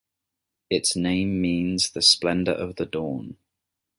Its name means the splendor of the dawn.